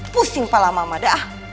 pusing kepala mama dah